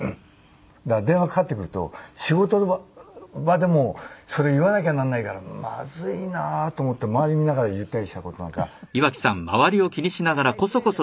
だから電話かかってくると仕事場でもそれ言わなきゃなんないからまずいなと思って周り見ながら言ったりした事なんか覚えてますね。